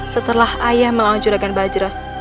setelah ayah melawan juragan bajra